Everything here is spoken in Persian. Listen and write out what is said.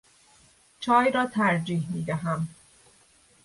چای را ترجیح می دهم.